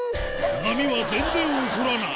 波は全然起こらない。